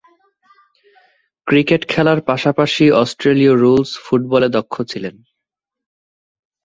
Cricket খেলার পাশাপাশি অস্ট্রেলীয় রুলস ফুটবলে দক্ষ ছিলেন।